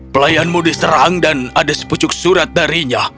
pelayanmu diserang dan ada sepucuk surat darinya